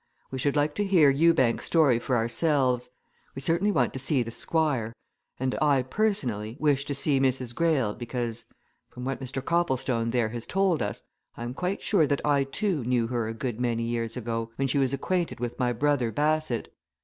We should like to hear Ewbank's story for ourselves; we certainly want to see the Squire; and I, personally, wish to see Mrs. Greyle because, from what Mr. Copplestone there has told us, I am quite sure that I, too, knew her a good many years ago, when she was acquainted with my brother Bassett.